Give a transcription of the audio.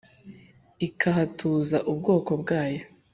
ikahatuza ubwoko bwayo